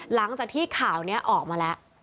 หลังจากที่ข่าวนี้ออกมาแล้ว